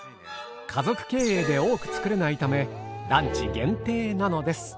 家族経営で多く作れないためランチ限定なのです。